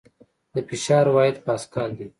د فشار واحد پاسکل دی.